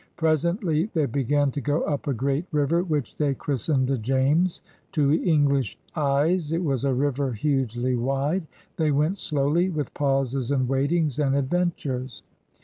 Presently they began to go up a great river which they christened the James. To Eng lish eyes it was a river hugely wide. They went slowly, with pauses and waitings and adventures.